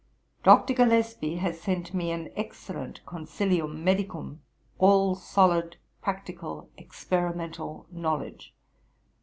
Dr. Gillespie has sent me an excellent consilium medicum, all solid practical experimental knowledge.